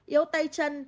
yếu tay chân